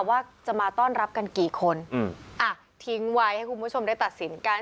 ว่าจะมาต้อนรับกันกี่คนอืมอ่ะทิ้งไว้ให้คุณผู้ชมได้ตัดสินกัน